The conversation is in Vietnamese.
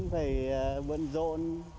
phải vận rộn